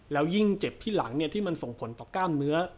แล้วยิ่งเจ็บที่หลังที่มันส่งผลต่อกล้ามเนื้อ